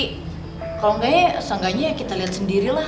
kalo enggaknya seenggaknya kita liat sendiri lah